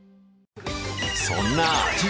そんな味